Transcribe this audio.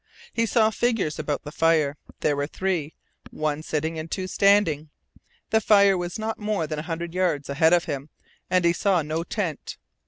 He saw figures about the fire. There were three, one sitting, and two standing. The fire was not more than a hundred yards ahead of him, and he saw no tent.